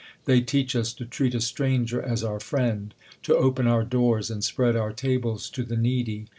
They teach us to treat a stranger as our friend ; to open eur doors and spread our tables to the needy.